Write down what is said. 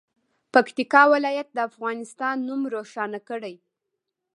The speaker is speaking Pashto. پکتیکا ولایت د افغانستان نوم روښانه کړي.